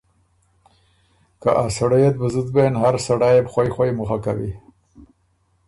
که ا سړئ ات بُو زُت بېن هر سړئ يې بو خوئ خوئ مُخه کوی۔